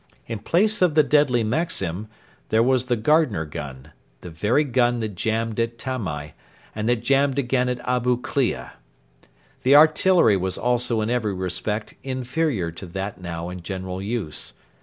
In place of the deadly Maxim there was the Gardner gun the very gun that jammed at Tamai, and that jammed again at Abu Klea. The artillery was also in every respect inferior to that now in general use.